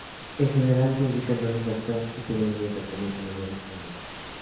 En general, se indican dosis altas y periodos de tratamiento mayores a un mes.